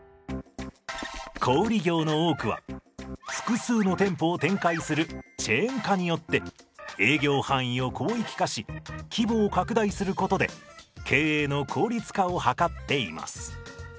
小売業の多くは複数の店舗を展開するチェーン化によって営業範囲を広域化し規模を拡大することで経営の効率化を図っています。